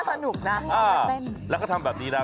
น่าสนุกนะเออแล้วก็ทำแบบนี้นะ